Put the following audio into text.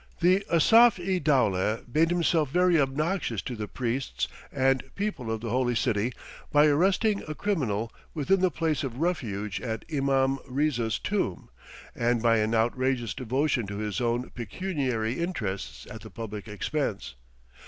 The Asaf i dowleh made himself very obnoxious to the priests and people of the holy city by arresting a criminal within the place of refuge at Imam Riza's tomb, and by an outrageous devotion to his own pecuniary interests at the public expense.